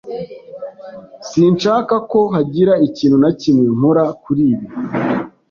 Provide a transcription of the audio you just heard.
Sinshaka ko hagira ikintu na kimwe nkora kuri ibi.